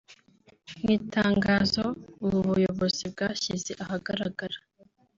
Mu itangazo ubu buyobozi bwashyize ahagaragara